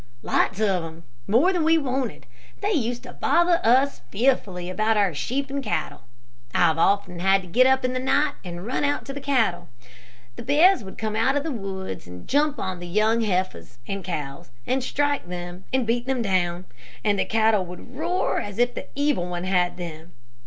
"Lots of them. More than we wanted. They used to bother us fearfully about our sheep and cattle. I've often had to get up in the night, and run out to the cattle. The bears would come out of the woods, and jump on to the young heifers and cows, and strike them and beat them down and the cattle would roar as if the evil one had them.